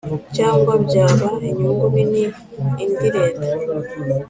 cyangwa byaha inyungu nini indi Leta